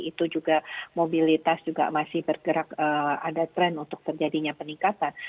itu juga mobilitas juga masih bergerak ada tren untuk terjadinya peningkatan